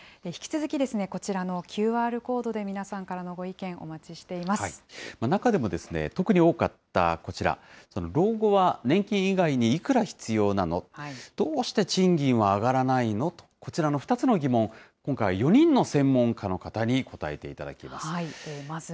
引き続き、こちらのＱＲコードで皆さんからのご意見、お待ちして中でも特に多かったこちら、老後は年金以外にいくら必要なの、どうして賃金は上がらないのと、こちらの２つの疑問、今回は４人の専門家の方に答えていただきま